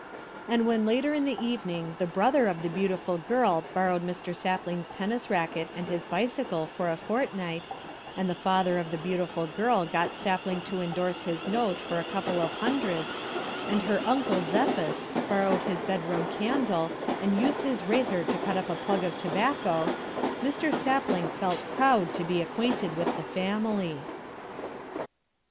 And when later in the evening the brother of the beautiful girl borrowed Mr. Sapling's tennis racket, and his bicycle for a fortnight, and the father of the beautiful girl got Sapling to endorse his note for a couple of hundreds, and her uncle Zephas borrowed his bedroom candle and used his razor to cut up a plug of tobacco, Mr. Sapling felt proud to be acquainted with the family.